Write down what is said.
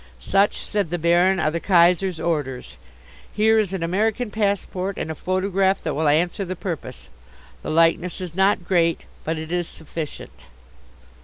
"Such," said the Baron, "are the Kaiser's orders. Here is an American passport and a photograph that will answer the purpose. The likeness is not great, but it is sufficient."